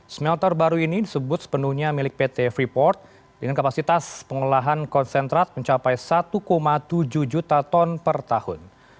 smelter baru ini disebut sepenuhnya milik pt freeport dengan kapasitas pengolahan konsentrat mencapai satu tujuh juta ton per tahun